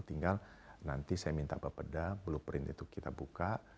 tinggal nanti saya minta bapak dah blueprint itu kita buka